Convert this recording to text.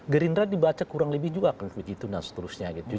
gerindra dibaca kurang lebih juga kan begitu dan seterusnya gitu